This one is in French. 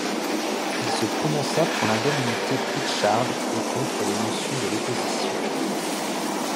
Il se prononça pour l'indemnité Pritchard et contre les motions de l'opposition.